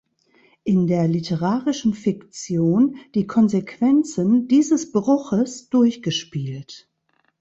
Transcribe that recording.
In der literarischen Fiktion die Konsequenzen dieses Bruches durchgespielt.